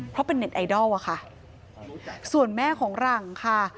เพราะเป็นเน็ตไอดอลอะค่ะส่วนแม่ของหลังค่ะ